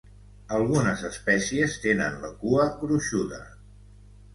Algunes espècies tenen la cua gruixuda.